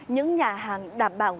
những nhà hàng đảm bảo